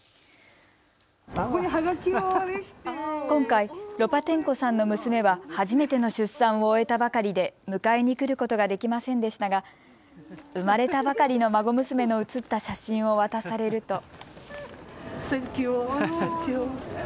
今回ロパテンコさんの娘は初めての出産を終えたばかりで迎えに来ることができませんでしたが生まれたばかりの孫娘の写った写真を渡されると。